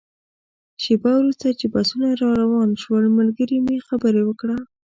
شېبه وروسته چې بسونه روان شول، ملګري مې خبره وکړه.